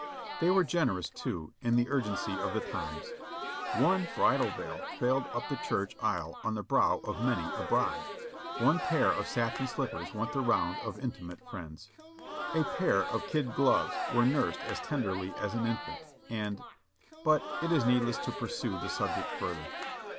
They were generous, too. in the urgency of the times. One Ijridal veil trailed up the church aisle on the brow of many a bride. One pair of satin slippers went the round A LITTI.E REPOSE 521 of intimate friends. A pair of kid gloves were nursed as tenderly as an infant, and — but it is needless to pursue the subject further.